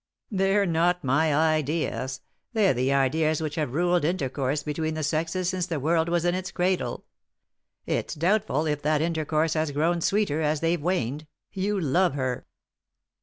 "They're not my ideas. They're the ideas which have ruled intercourse between the sexes since the world was in its cradle. It's doubtful if that inter course has grown sweeter as they've waned. You love her."